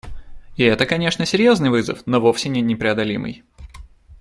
И это, конечно, серьезный вызов, но вовсе не непреодолимый.